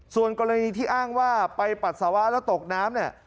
ส่วนกรณีที่อ้างว่าไปปัสสาวะแล้วตกน้ำเนี่ย